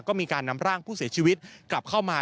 ก็มีการนำร่างผู้เสียชีวิตกลับเข้ามา